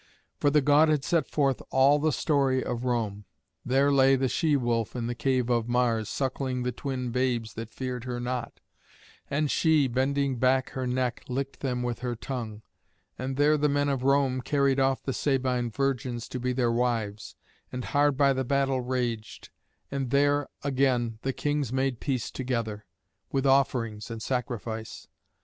For the god had set forth all the story of Rome. There lay the she wolf in the cave of Mars, suckling the twin babes that feared her not and she, bending back her neck, licked them with her tongue; and there the men of Rome carried off the Sabine virgins to be their wives; and hard by the battle raged, and there again the kings made peace together, with offerings and sacrifice.